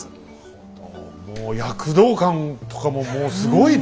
もう躍動感とかももうすごいね！